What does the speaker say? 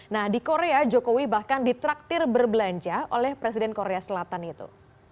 nah di korea jokowi bahkan ditraktir berbelanja oleh presiden korea selatan itu